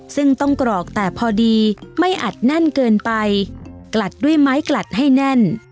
ซึ่งต้องกรอกแต่พอดีไม่อัดแน่นเกินไปกลัดด้วยไม้กลัดให้แน่น